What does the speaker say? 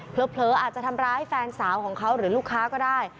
เผลออาจจะทำร้ายแฟนสาวของเขาหรือลูกค้าก็ได้